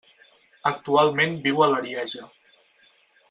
Actualment viu a l'Arieja.